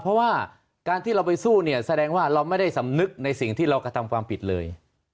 เพราะว่าการที่เราไปสู้เนี่ยแสดงว่าเราไม่ได้สำนึกในสิ่งที่เรากระทำความผิดเลย